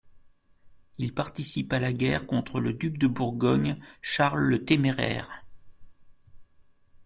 Il participe à la guerre contre le duc de Bourgogne Charles le Téméraire.